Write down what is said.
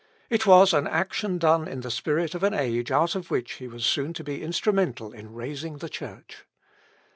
It was an action done in the spirit of an age out of which he was soon to be instrumental in raising the Church.